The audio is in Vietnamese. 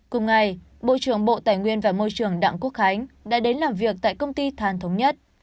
cùng ngày bộ trưởng bộ tài nguyên và môi trường đảng quốc khánh đã đến làm việc tại công ty thàn thống nhất